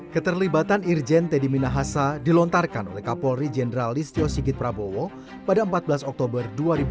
keterlibatan irjen teddy minahasa dilontarkan oleh kapolri jenderal listio sigit prabowo pada empat belas oktober dua ribu dua puluh